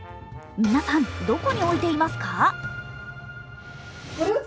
皆さん、どこに置いていますか？